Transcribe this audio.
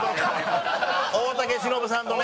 大竹しのぶさんとね。